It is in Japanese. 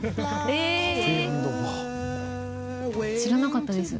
知らなかったです。